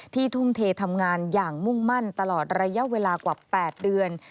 ทุ่มเททำงานอย่างมุ่งมั่นตลอดระยะเวลากว่า๘เดือน